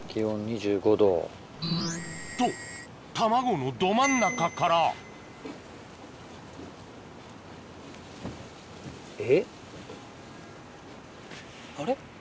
と卵のど真ん中からあっ！